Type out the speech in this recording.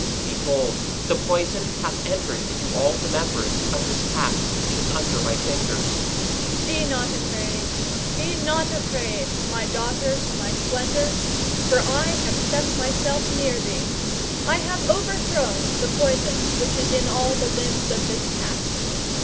Behold, the poison hath entered into all the members of this Cat which is under my fingers. Be not afraid, be not afraid, my daughter, my splendour, [for] I have set myself near (or, behind) thee. I have overthrown the poison which is in all the limbs of this Cat.